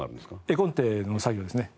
絵コンテの作業ですね。